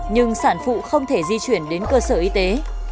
nhưng sản phụ không thể di chuyển đến cơ sở y tế